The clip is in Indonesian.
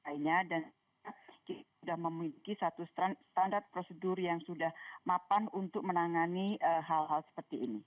kita sudah memiliki satu standar prosedur yang sudah mapan untuk menangani hal hal seperti ini